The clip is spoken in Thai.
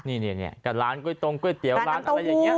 นี่ก็ร้านก๋วยตรงก๋วยเตี๋ยวร้านอะไรอย่างนี้